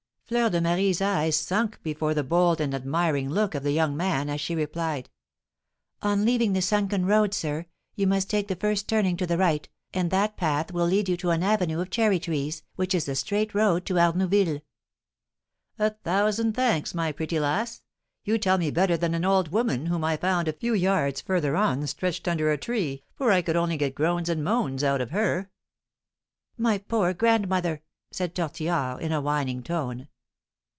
Fleur de Marie's eyes sunk before the bold and admiring look of the young man, as she replied: "On leaving the sunken road, sir, you must take the first turning to the right, and that path will lead you to an avenue of cherry trees, which is the straight road to Arnouville." "A thousand thanks, my pretty lass! You tell me better than an old woman, whom I found a few yards further on stretched under a tree, for I could only get groans and moans out of her." "My poor grandmother!" said Tortillard, in a whining tone.